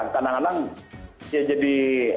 kadang kadang ya jadi